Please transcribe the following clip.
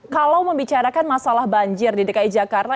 kalau membicarakan masalah banjir di dki jakarta